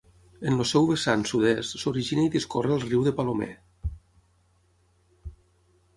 En el seu vessant sud-est s'origina i discorre el Riu de Palomer.